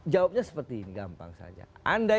jawabnya seperti ini gampang saja